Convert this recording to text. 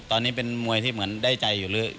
ตอนนี้เป็นมวยที่เหมือนได้ใจอยู่หรือ